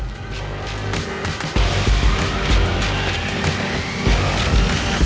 สวัสดีครับ